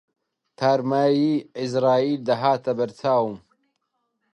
تارماییی عیزراییل دەهاتە بەر چاوم